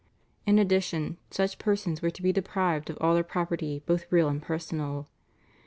In addition such persons were to be deprived of all their property, both real and personal.